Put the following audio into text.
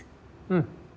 うん。